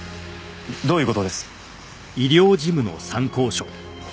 どういう事です？